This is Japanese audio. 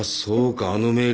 あのメール。